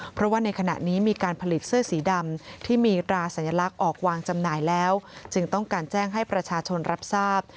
เพราะว่าในขณะนี้มีการผลิตเสื้อสีดำที่มีตราสัญลักษณ์ออกวางจำหน่ายแล้วจึงต้องการแจ้งให้ประชาชนรับทราบ